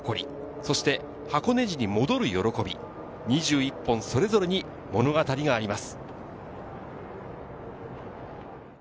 そして箱根路に戻る喜び、２１本それぞれに物語があります。